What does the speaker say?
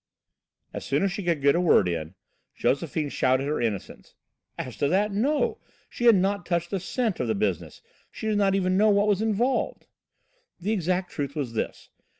As soon as she could get a word in, Josephine shouted her innocence. Oh, as to that, no! She had not touched a cent from the business. She did not even know what was involved. The exact truth was this.